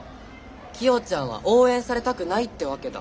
キヨちゃんは応援されたくないってわけだ。